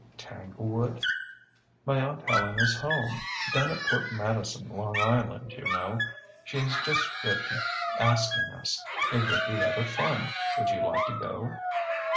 "Tanglewood?" "My Aunt Helena's home down at Port Madison, Long Island, you know. She has just written, asking us. It would be rather fun. Would you like to go?"